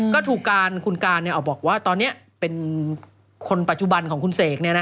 ก็ถูกการคุณการออกบอกว่าตอนนี้เป็นคนปัจจุบันของคุณเสก